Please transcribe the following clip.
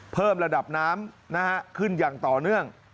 เพิ่มระดับน้ำขึ้นอย่างต่อเนื่อง